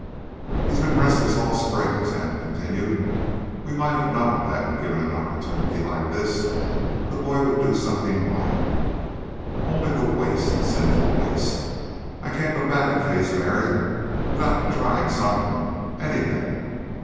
"He's been restless all spring," his aunt continued. "We might have known that, given an opportunity like this, the boy would do something wild. Only the waste, the sinful waste! I can't go back and face Merry without trying something anything!